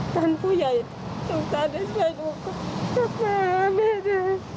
ท่านผู้ใหญ่ต้องการให้ช่วยลูกกับแม่แม่ด้วย